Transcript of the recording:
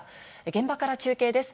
現場から中継です。